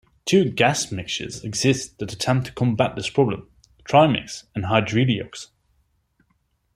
Two gas mixtures exist that attempt to combat this problem: trimix and hydreliox.